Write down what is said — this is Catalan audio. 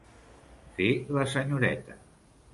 Fer la senyoreta.